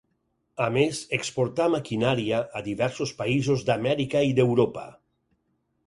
A més, exportà maquinària a diversos països d'Amèrica i d'Europa.